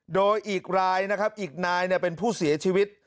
โดยอีกรายนะครับอีกนายเป็นผู้เสียชีวิต